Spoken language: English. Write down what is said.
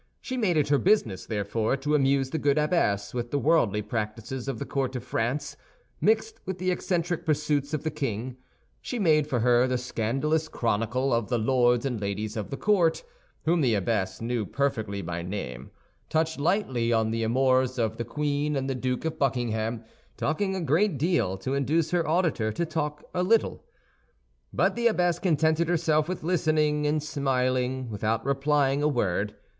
She made it her business, therefore, to amuse the good abbess with the worldly practices of the court of France, mixed with the eccentric pursuits of the king; she made for her the scandalous chronicle of the lords and ladies of the court, whom the abbess knew perfectly by name, touched lightly on the amours of the queen and the Duke of Buckingham, talking a great deal to induce her auditor to talk a little. But the abbess contented herself with listening and smiling without replying a word.